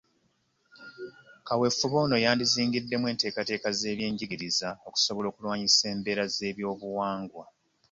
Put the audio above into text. Kaweefube ono yandizingiddemu enteekateeka z’ebyenjigiriza okusobola okulwanyisa embeera z’ebyobuwangwa.